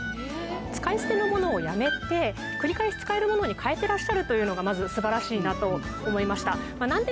使い捨てのものをやめて繰り返し使えるものに変えてらっしゃるというのがまず素晴らしいなと思いました。